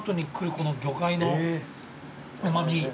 この魚介のうま味。